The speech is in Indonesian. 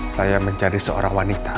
saya mencari seorang wanita